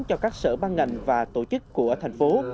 cho các sở ban ngành và tổ chức của thành phố